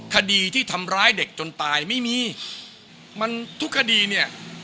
คดีที่ทำร้ายเด็กจนตายไม่มีมันทุกคดีเนี่ย